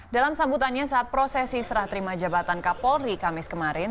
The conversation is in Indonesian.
dalam sambutannya saat prosesi serah terima jabatan kapolri kamis kemarin